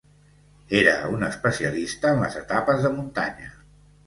Era un especialista en les etapes de muntanya.